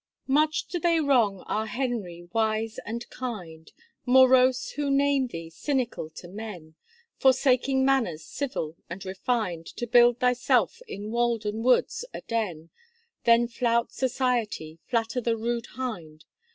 _ Much do they wrong our Henry wise and kind, Morose who name thee, cynical to men, Forsaking manners civil and refined To build thyself in Walden woods a den, Then flout society, flatter the rude hind.